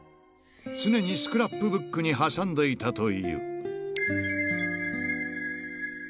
常にスクラップブックに挟んでいたという。